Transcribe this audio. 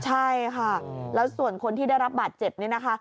ใช่ค่ะแล้วส่วนคนที่ได้รับบาดเจ็บเนี่ยนะคะ